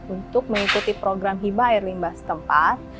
untuk mengikuti program hiba air limbah setempat